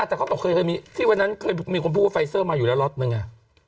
แต่เขาบอกเคยมีที่วันนั้นเคยมีคนพูดว่าไฟเซอร์มาอยู่แล้วล็อตนึง